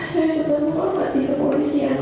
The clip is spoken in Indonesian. saya tetap menghormati kepolisian